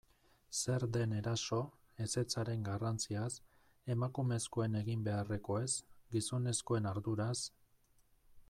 Zer den eraso, ezetzaren garrantziaz, emakumezkoen egin beharrekoez, gizonezkoen arduraz...